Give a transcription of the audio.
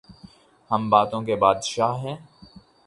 ہم باتوں کے بادشاہ ہیں۔